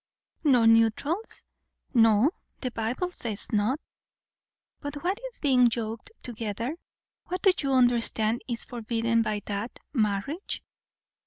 "No neutrals?" "No. The Bible says not." "But what is being 'yoked together'? what do you understand is forbidden by that? Marriage?"